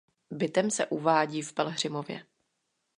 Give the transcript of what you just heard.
Bytem se uvádí v Pelhřimově.